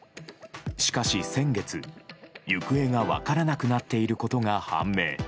しかし先月、行方が分からなくなっていることが判明。